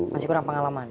masih kurang pengalaman